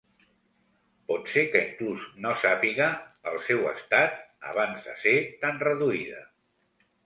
Pot ser que inclús no sàpiga el seu estat abans de ser tan reduïda.